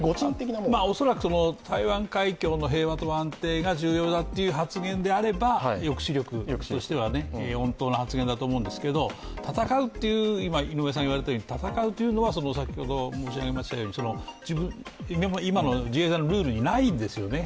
恐らく台湾海峡の平和と安定が重要だという発言であれば抑止力としては穏当な発言だと思うんですけど戦うというのは、先ほど申し上げましたように、今の自衛隊のルールにないんですよね。